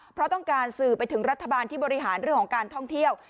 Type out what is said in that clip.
เพราะต้องการสื่อไปถึงรัฐบาลที่บริหารเรื่องของการท่องเที่ยว